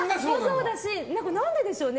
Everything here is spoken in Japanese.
何ででしょうね？